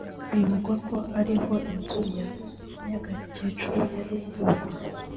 bivugwa ko ari ho inzu ya Nyagakecuru yari yubatse